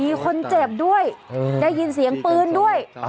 มีคนเจ็บด้วยเออได้ยินเสียงปืนด้วยอ๋ออ๋อ